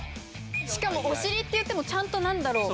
しかもおしりっていってもちゃんとなんだろう。